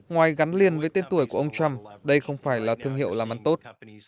ngoài gắn liền với tên tuổi của ông trump đây không phải là thương hiệu làm ăn tốt